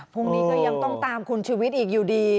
พรุ่งนี้ก็ยังต้องตามคุณชีวิตอีกอยู่ดี